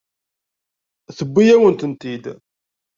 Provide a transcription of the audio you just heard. Tewwi-yawen-tent-id.